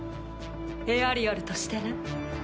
エアリアルとしてね。